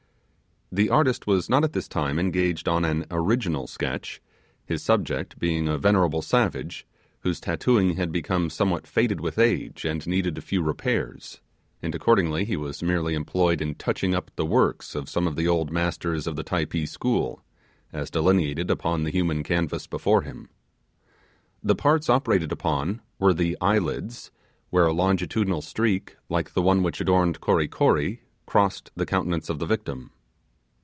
The artist was not at this time engaged on an original sketch, his subject being a venerable savage, whose tattooing had become somewhat faded with age and needed a few repairs, and accordingly he was merely employed in touching up the works of some of the old masters of the Typee school, as delineated upon the human canvas before him. The parts operated upon were the eyelids, where a longitudinal streak, like the one which adorned Kory Kory, crossed the countenance of the victim.